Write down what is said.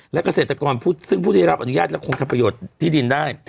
และเกษตรกรซึ่งผู้ได้รับอนุญาตและคงทำประโยชน์ที่ดินได้